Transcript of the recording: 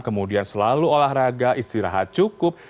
kemudian selalu olahraga istirahat cukup